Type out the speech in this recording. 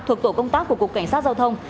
thuộc tổ công tác của cục cảnh sát giao thông